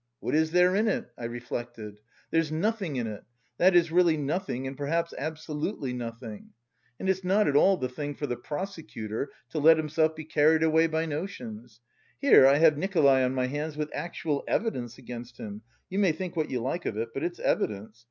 What is there in it? I reflected. There's nothing in it, that is really nothing and perhaps absolutely nothing. And it's not at all the thing for the prosecutor to let himself be carried away by notions: here I have Nikolay on my hands with actual evidence against him you may think what you like of it, but it's evidence.